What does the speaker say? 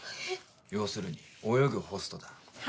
要するに泳ぐホストだ。